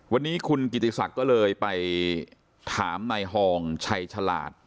วันนี้คุณกิจกิติศรักษ์ก็เลยไปถามนายฮ่องไชล์ฉลาด